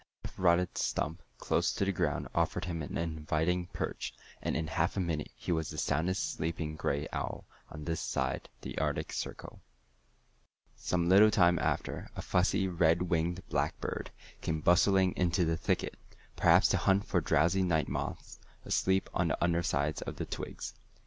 A half rotted stump, close to the ground, offered him an inviting perch, and in half a minute he was the soundest sleeping gray owl on this side the Arctic Circle. Some little time after, a fussy red winged blackbird came bustling into the thicket, perhaps to hunt for drowsy night moths asleep on the under sides of the twigs.